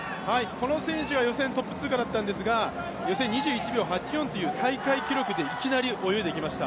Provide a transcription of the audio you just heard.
この選手は予選トップ通過だったんですが予選２１秒８４という２１秒８４という大会記録でいきなり泳いできました。